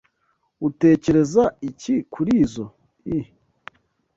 Utekereza iki kurizoi?